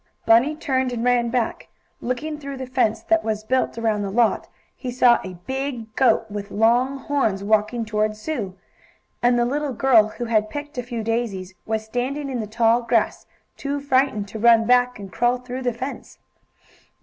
Bunny turned and ran back. Looking through the fence that was built around the lot, he saw a big goat, with long horns, walking toward Sue. And the little girl, who had picked a few daisies, was standing in the tall grass, too frightened to run back and crawl through the fence.